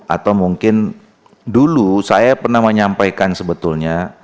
atau mungkin dulu saya pernah menyampaikan sebetulnya